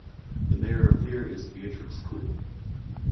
The mayor of Leer is Beatrix Kuhl.